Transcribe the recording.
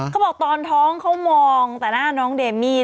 เขาบอกตอนท้องเขามองแต่หน้าน้องเดมี่